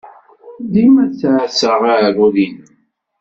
Dima ttɛassa aɛrur-nnem.